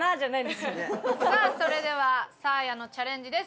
さあそれではサーヤのチャレンジです。